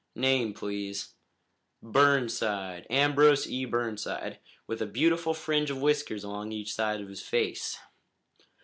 "Name, please." "Burnside, Ambrose E. Burnside, with a beautiful fringe of whiskers along each side of his face."